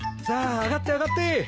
さあ上がって上がって。